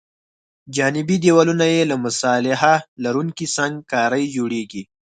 جانبي دیوالونه یې له مصالحه لرونکې سنګ کارۍ جوړیږي